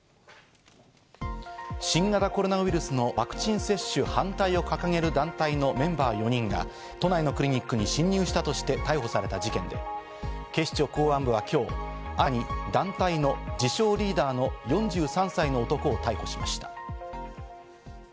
新型コロナウイルスのワクチン接種反対を掲げる団体のメンバー４人が都内のクリニックに侵入したとして逮捕された事件で警視庁公安部は今日、新たに団体の自称リーダーの４３歳の男を逮捕しました。